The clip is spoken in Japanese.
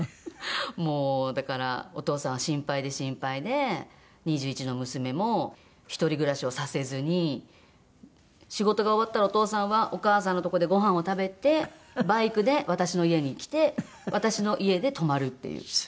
もうだからお父さんは心配で心配で２１の娘も一人暮らしをさせずに仕事が終わったらお父さんはお母さんのとこでごはんを食べてバイクで私の家に来て私の家で泊まるっていう。